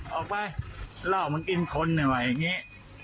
เอ้อออกไปแล้วทำเป็นกินคนดิว่าอย่างเงี้ย